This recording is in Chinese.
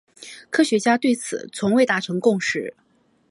科学家对此从未达成共识。